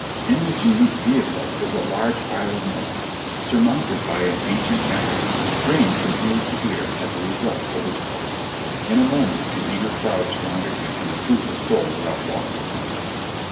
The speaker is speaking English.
In this unique vehicle was a large pile of melons surmounted by an an cient African, grinning from ear to ear at the result of his call. In a moment an eager crowd surrounded him, and the fruit was sold without loss of time.